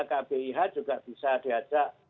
kpih juga bisa diajak